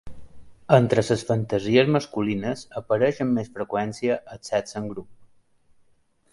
Entre les fantasies masculines apareix amb més freqüència el sexe en grup.